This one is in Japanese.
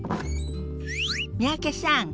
三宅さん